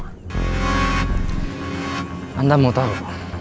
anda mau tahu